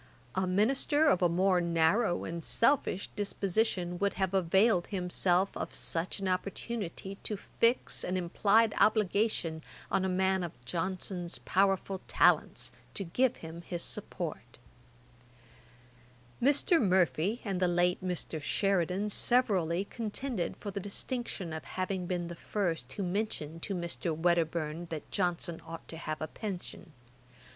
A minister of a more narrow and selfish disposition would have availed himself of such an opportunity to fix an implied obligation on a man of Johnson's powerful talents to give him his support. [Page 375: Murphy's account of the pension. Ætat 53.] Mr. Murphy and the late Mr. Sheridan severally contended for the distinction of having been the first who mentioned to Mr. Wedderburne that Johnson ought to have a pension.